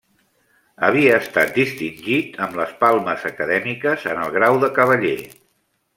Havia estat distingit amb les palmes acadèmiques en el grau de cavaller.